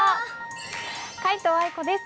皆藤愛子です。